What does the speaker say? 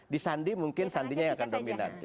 di sandi mungkin sandinya yang akan dominan